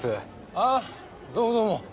ああどうもどうも。